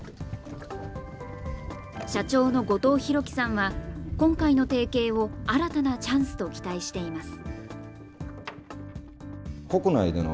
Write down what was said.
社長の後藤弘樹さんは、今回の提携を新たなチャンスと期待しています。